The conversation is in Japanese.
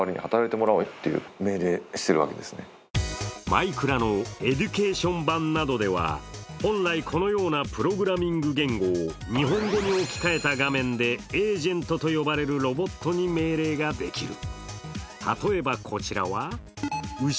「マイクラ」のエデュケーション版などでは本来、このようなプログラミング言語を日本語に置き換えた画面でエージェントと呼ばれるロボットに命令ができる。